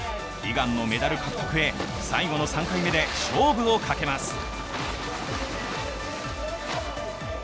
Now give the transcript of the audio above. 悲願のメダル獲得へ最後の３回目で勝負をかけます。